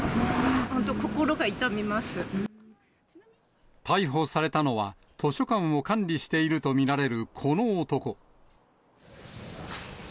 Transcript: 本当、逮捕されたのは、図書館を管理していると見られるこの男。